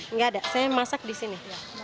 nggak ada saya masak di sini